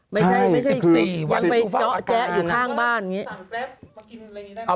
ไม่ใช่ยังไปเจาะแจ๊ะอยู่ข้างบ้าน